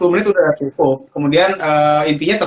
kemudian intinya terserah kita pakai apa aja gitu loh